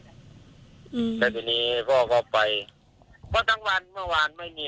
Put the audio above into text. อืมแล้วทีนี้พ่อก็ไปเพราะทั้งวันเมื่อวานไม่มี